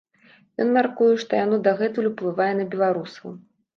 Ён мяркуе, што яно дагэтуль уплывае на беларусаў.